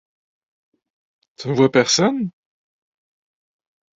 Tu ne vois personne ?